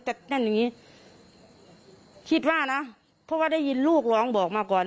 แต่นั่นอย่างนี้คิดว่านะเพราะว่าได้ยินลูกร้องบอกมาก่อน